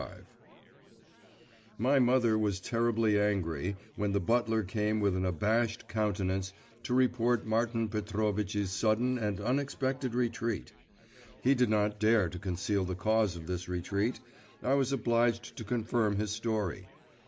XXV My mother was terribly angry when the butler came with an abashed countenance to report Martin Petrovitch's sudden and unexpected retreat. He did not dare to conceal the cause of this retreat; I was obliged to confirm his story.